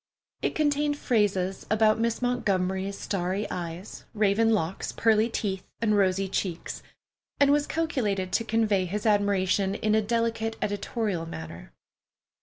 It contained phases about Miss Montgomery's starry eyes, raven locks, pearly teeth, and rosy cheeks, and was calculated to convey his admiration in a delicate editorial manner.